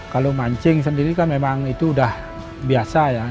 kalau mancing sendiri kan memang itu sudah biasa